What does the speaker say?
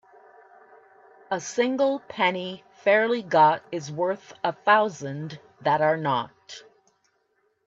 A single penny fairly got is worth a thousand that are not.